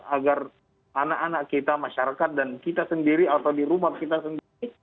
agar anak anak kita masyarakat dan kita sendiri atau di rumah kita sendiri